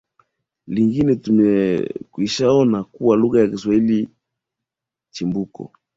lingine Tumekwishaona kuwa lugha ya Kiswahili chimbuko